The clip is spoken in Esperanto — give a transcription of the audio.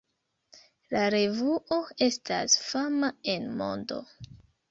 La revuo estas fama en mondo.